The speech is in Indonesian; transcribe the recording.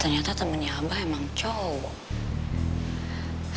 ternyata temennya abah emang cowok